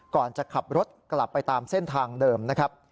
ก่อนจะขับรถกลับไปตามเส้นทางเดิมนะครับ